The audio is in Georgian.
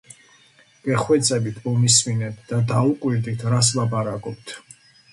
გეხვეწებით მომისმინეთ და დაუკვირდით რას ლაპარაკობთ